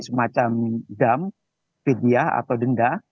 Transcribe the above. semacam dam vidyah atau denda